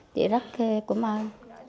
chị rất cảm ơn